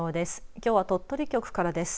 きょうは鳥取局からです。